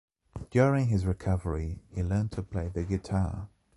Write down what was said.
During his recovery he learned to play the guitar.